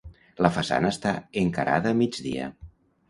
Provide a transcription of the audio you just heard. La façana està encarada a migdia.